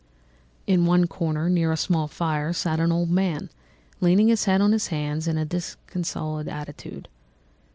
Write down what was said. In one corner, near a small fire, sat an old man, leaning his head on his hands in a disconsolate attitude.